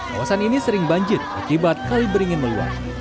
kawasan ini sering banjir akibat kali beringin meluas